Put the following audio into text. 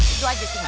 itu aja gimana